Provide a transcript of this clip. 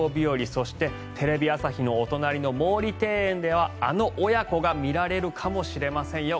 そして、テレビ朝日のお隣の毛利庭園ではあの親子が見られるかもしれませんよ。